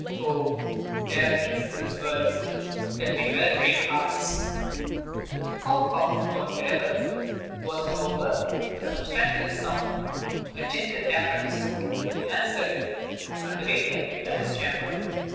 Oh! there are things in this world that may well break hearts! The cork of Count Mirabel was, however, a substantial sound, a gentle tap at his door: he answered it, and the waiter entered his chamber.